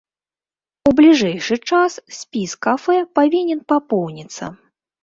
У бліжэйшы час спіс кафэ павінен папоўніцца.